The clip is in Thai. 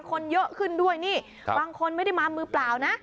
คนเยอะขึ้นด้วยนี่บางคนไม่ได้มามือเปล่านะ